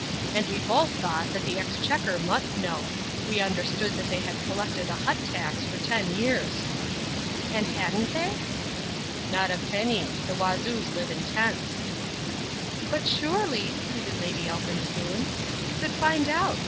And we both thought that the Exchequer must know. We understood that they had collected a hut tax for ten years." "And hadn't they?" "Not a penny. The Wazoos live in tents." "But, surely," pleaded Lady Elphinspoon, "you could find out.